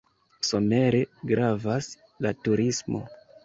Somere gravas la turismo.